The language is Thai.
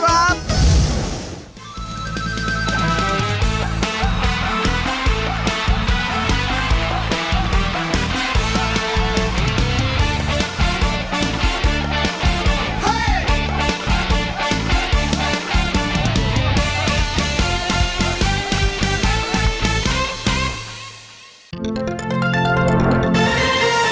โปรดติดตามตอนต่อไป